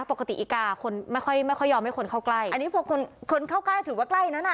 ปกติอีกาคนไม่ค่อยไม่ค่อยยอมให้คนเข้าใกล้อันนี้พอคนคนเข้าใกล้ถือว่าใกล้นั้นอ่ะ